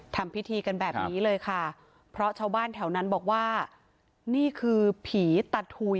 ทำพิธีกันแบบนี้เลยค่ะเพราะชาวบ้านแถวนั้นบอกว่านี่คือผีตาถุย